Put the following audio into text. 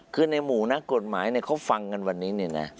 คือในหมู่นักกฏหมายเขาฟังกันวันนี้